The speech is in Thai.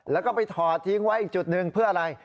แล้วก็ไปถอดทิ้งไว้อีกจุดหนึ่งเพื่ออะไร